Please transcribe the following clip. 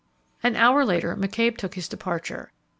An hour later, McCabe took his departure.